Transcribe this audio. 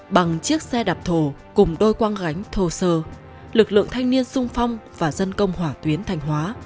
bằng chiếc xe đạp thổ cùng đôi quang gánh thô sơ lực lượng thanh niên sung phong và dân công hỏa tuyến thanh hóa